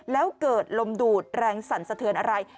แล้วเกิดลมดูดแรงสั่นสะเทือนอะไร